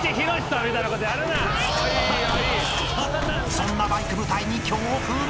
［そんなバイク部隊に強風が！］